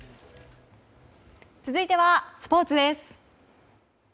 続いてはスポーツです。